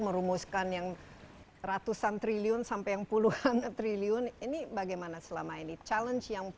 merumuskan yang ratusan triliun sampai yang puluhan triliun ini bagaimana selama ini challenge yang